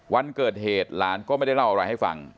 วันเกิดเหตุหลานก็ไม่ได้เล่าอะไรให้ฟัง